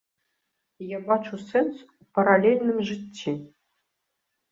Я бачу сэнс у паралельным жыцці.